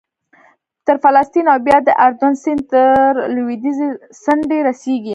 تر فلسطین او بیا د اردن سیند تر لوېدیځې څنډې رسېږي